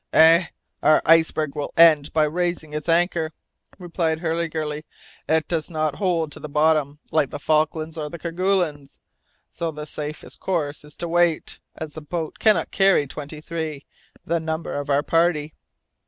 "Eh! our iceberg will end by raising its anchor," replied Hurliguerly. "It does not hold to the bottom, like the Falklands or the Kerguelens! So the safest course is to wait, as the boat cannot carry twenty three, the number of our party."